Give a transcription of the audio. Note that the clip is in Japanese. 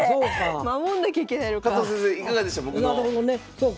守んなきゃいけないのか。